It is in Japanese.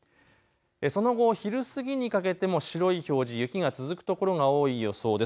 その後昼過ぎにかけても白い表示、雪が続く所が多い予想です。